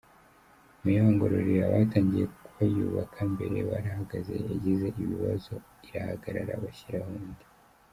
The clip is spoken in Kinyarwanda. Meya wa Ngororero: Abatangiye bayubaka mbere barahagaze, yagize ibiazo irahagarara bashyiraho indi.